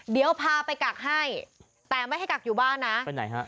เดี๋ยวพาไปกักให้แต่ไม่ให้กักอยู่บ้านนะไปไหนฮะ